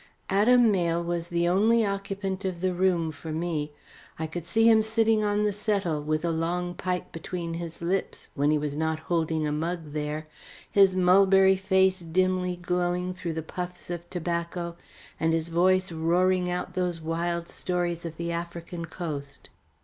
Adam Mayle was the only occupant of the room for me. I could see him sitting on the settle, with a long pipe between his lips when he was not holding a mug there, his mulberry face dimly glowing through the puffs of tobacco, and his voice roaring out those wild stories of the African coast.